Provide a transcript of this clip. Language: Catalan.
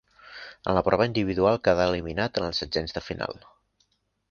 En la prova individual quedà eliminat en els setzens de final.